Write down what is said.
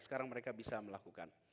sekarang mereka bisa melakukan